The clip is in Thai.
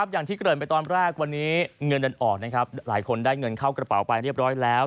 อย่างที่เกริ่นไปตอนแรกวันนี้เงินเดินออกนะครับหลายคนได้เงินเข้ากระเป๋าไปเรียบร้อยแล้ว